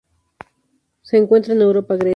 Se encuentra en Europa, Grecia.